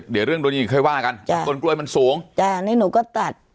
เดี๋ยวเรื่องร่วงงี้ให้ว่ากันจะต้นกล้วยมันสูงจะนี่หนูก็ตัด